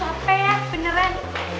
udah capek ya beneran